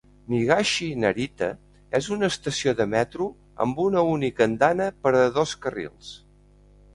Higashi-Narita és una estació de metro amb una única andana per a dos carrils.